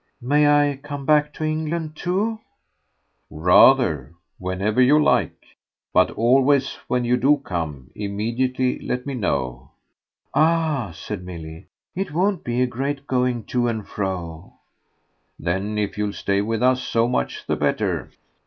"May I come back to England too?" "Rather! Whenever you like. But always, when you do come, immediately let me know." "Ah," said Milly, "it won't be a great going to and fro." "Then if you'll stay with us so much the better."